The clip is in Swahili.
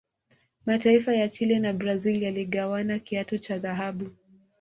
mataifa ya Chile na brazil yaligawana kiatu cha dhahabu